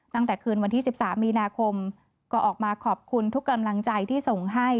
ตั้งแต่คืนวันที่๑๓มีนาคมก็ออกมาขอบคุณทุกกำลังใจที่ส่งให้